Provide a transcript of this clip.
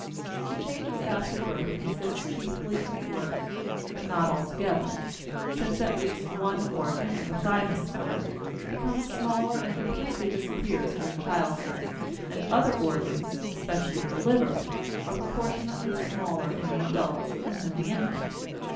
The changes after birth consist chiefly in growth; but not altogether, since at least one organ, the thymus gland, becomes smaller and completely disappears during childhood, and other organs, especially the liver, are proportionately smaller in the adult than in the infant.